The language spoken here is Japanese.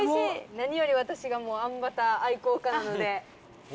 何より私がもうあんバタ愛好家なので。